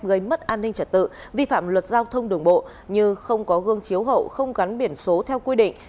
gây mất an ninh trật tự vi phạm luật giao thông đường bộ như không có gương chiếu hậu không gắn biển số theo quy định